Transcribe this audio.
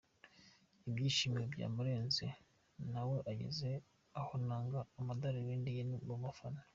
Ibyishimo byamurenze nawe ageze aho anaga amadarubindi ye mu bafana.